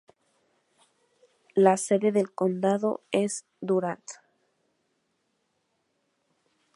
La sede del condado es Durand.